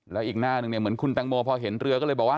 แล้วอีกหน้าหนึ่งเนี่ยเหมือนคุณแตงโมพอเห็นเรือก็เลยบอกว่า